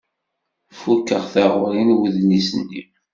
Fukeɣ taɣuri n wedlis-nni.